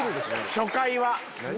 初回は。